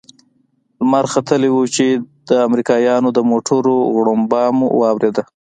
لمر ختلى و چې د امريکايانو د موټرو غړمبه مو واورېد.